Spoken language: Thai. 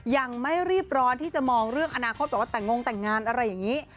ยังไม่รีบร้อนที่จะมองเรื่องอนาคตแบบว่าแต่งงแต่งงานอะไรอย่างนี้